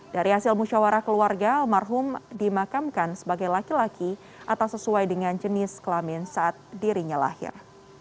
dari hasil musyawarah keluarga almarhum dimakamkan sebagai laki laki atau sesuai dengan jenis kelamin saat dirinya lahir